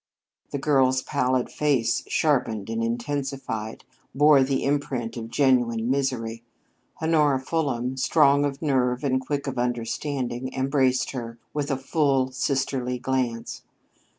The girl's pallid face, sharpened and intensified, bore the imprint of genuine misery. Honora Fulham, strong of nerve and quick of understanding, embraced her with a full sisterly glance.